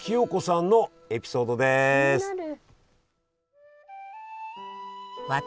気になる。